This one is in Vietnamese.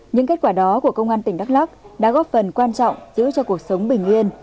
những kết quả đó của công an tỉnh đắk lắc đã góp phần quan trọng giữ cho cuộc sống bình yên